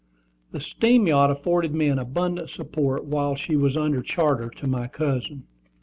The steam yacht afforded me an abundant support while she was under charter to my cousin.